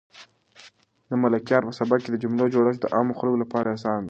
د ملکیار په سبک کې د جملو جوړښت د عامو خلکو لپاره اسان دی.